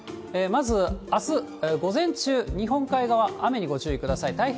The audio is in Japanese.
まず、あす午前中、日本海側、雨にご注意ください。